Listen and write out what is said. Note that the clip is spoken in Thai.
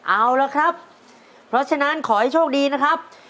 เอาละครับเพราะฉะนั้นขอให้โชคดีนะครับ